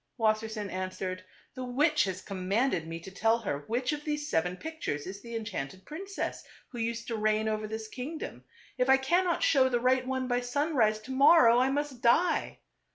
Wassersein answered, "The witch has com manded me to tell her which of these seven pict ures is the enchanted princess, who used to reign TWO BBOTHEES. 297 over this kingdom. If I cannot show the right one by sunrise to morrow, I must die."